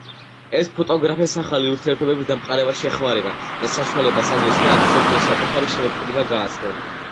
ეს ფოტოგრაფებს ახალი ურთიერთობების დამყარებაში ეხმარება და საშუალებას აძლევს მათ, მსოფლიოს საკუთარი შემოქმედება გააცნონ.